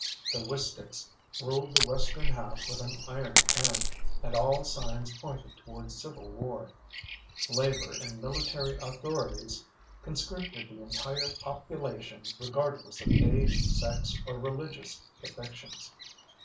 The Wisticks ruled the western half with an iron hand, and all signs pointed toward civil war. Labor and military authorities conscripted the entire population regardless of age, sex or religious convictions.